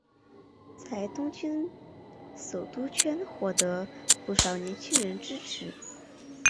在东京首都圈获得不少年轻人支持。